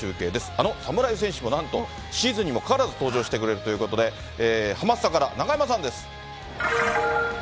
あの侍戦士も、なんとシーズンにもかかわらず、登場してくれるということで、ハマスタから中山さんです。